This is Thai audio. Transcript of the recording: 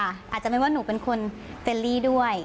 อาจจะไม่ว่าหนูเป็นคนเฟลลี่ด้วย